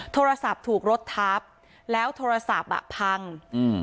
โทรศัพท์ถูกรถทับแล้วโทรศัพท์อ่ะพังอืม